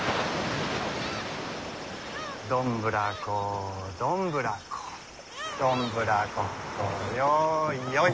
どんぶらこどんぶらこどんぶらこっこよいよい。